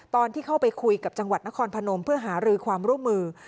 ตอนที่เข้าไปคุยกับจังหวัดนครพนมเพื่อหารือความร่วมมือ